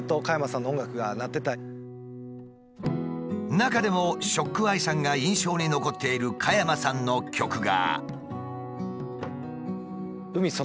中でもＳＨＯＣＫＥＹＥさんが印象に残っている加山さんの曲が。